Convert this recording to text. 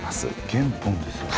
原本ですよね？